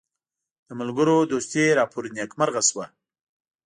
د ملګرو دوستي راپوري نیکمرغه شوه.